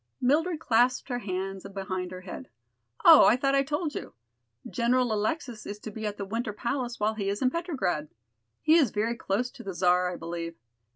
Mildred clasped her hands behind her head. "Oh, I thought I told you. General Alexis is to be at the Winter Palace while he is in Petrograd. He is very close to the Czar, I believe.